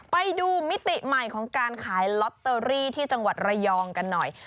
มิติใหม่ของการขายลอตเตอรี่ที่จังหวัดระยองกันหน่อย